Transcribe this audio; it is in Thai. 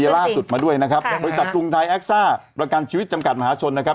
ล่าสุดมาด้วยนะครับบริษัทกรุงไทยแอคซ่าประกันชีวิตจำกัดมหาชนนะครับ